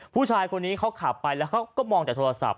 ผู้ชายคนนี้เขาขับไปแล้วเขาก็มองแต่โทรศัพท์